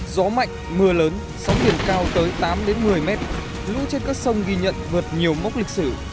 gió mạnh mưa lớn sóng biển cao tới tám một mươi mét lũ trên các sông ghi nhận vượt nhiều mốc lịch sử